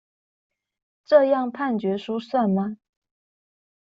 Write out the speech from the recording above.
這樣判決書算嗎？